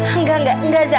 enggak enggak enggak zah